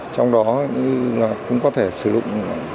trong đó cũng có thể sử dụng